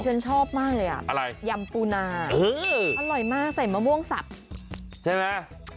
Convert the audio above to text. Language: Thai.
ฉันชอบมากเลยอ่ะอะไรยำปูนาอร่อยมากใส่มะม่วงสับใช่ไหม